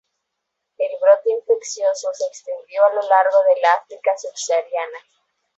El brote infeccioso se extendió a lo largo de la África subsahariana.